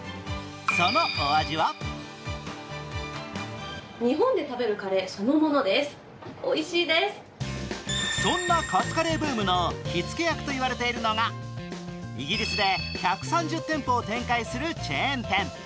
そのお味はそんなカツカレーブームの火付け役といわれているのが、イギリスで１３０店舗を展開するチェーン店。